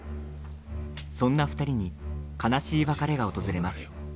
そんな２人に悲しい別れが訪れます。